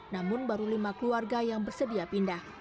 namun baru lima keluarga yang bersedia pindah